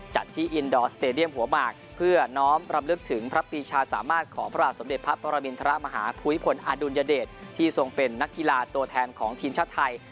จัดที่อินดอร์สเตดียมหัวหมากเพื่อน้องรำลึกถึงพระปีชาสามารถของพระบาทสมเด็จพระปรมินทรมาฮาภูมิพลอดุลยเดชที่ทรงเป็นนักกีฬาตัวแทนของทีมชาติไทย